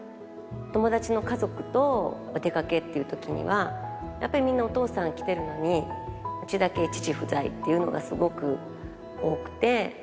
友達の家族とお出かけっていうときには、やっぱりみんなお父さん来てるのに、うちだけ父不在っていうのが、すごく多くて。